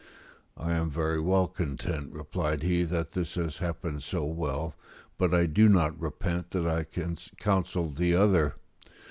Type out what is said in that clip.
"I am very well content," replied he, "that this has happened so well, but I do not repent that I counselled the other."